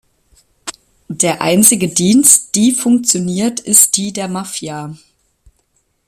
Der einzige Dienst, die funktioniert, ist die der Mafia.